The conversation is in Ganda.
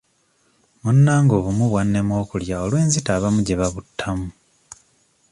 Munnange obumyu bwannema okulya olw'enzita abamu gye babuttamu.